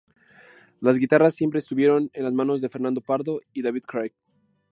Las guitarras siempre estuvieron en las manos de Fernando Pardo y David Krahe.